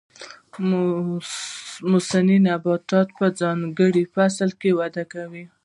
موسمي نباتات په ځانګړي فصل کې وده کوي